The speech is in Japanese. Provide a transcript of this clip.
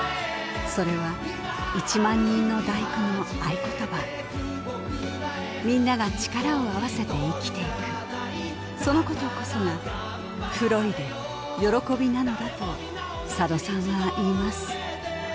それは「１万人の第九」の合言葉みんなが力を合わせて生きていくそのことこそが「フロイデ」「歓び」なのだと佐渡さんは言います